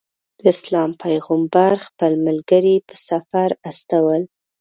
د اسلام پیغمبر خپل ملګري په سفر استول.